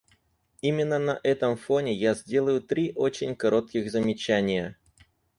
Именно на этом фоне я сделаю три очень коротких замечания.